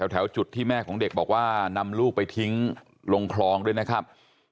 แถวจุดที่แม่ของเด็กบอกว่านำลูกไปทิ้งลงคลองด้วยนะครับ